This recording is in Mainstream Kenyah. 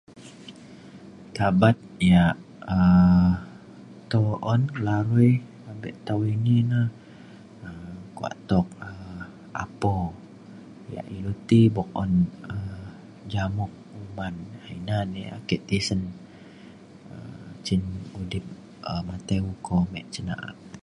Tabat ia' um tu'un lareh abek tau ini na um kua tuk um apo ia' ilu ti pu'un um jamuk kuman ina na ake tisen um cin udip um matai uko me cin na'a